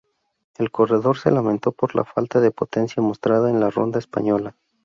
El corredor se lamentó por la falta de potencia mostrada en la ronda española.